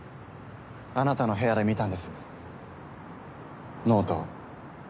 あなたの部屋で見たんですノートを。